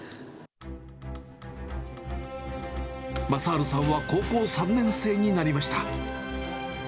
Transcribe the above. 雅治さんは高校３年生になりました。